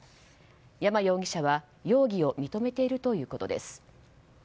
山容疑者は容疑を認めているということです。